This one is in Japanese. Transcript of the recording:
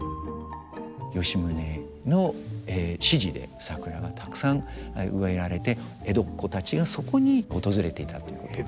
吉宗の指示で桜がたくさん植えられて江戸っ子たちがそこに訪れていたということが。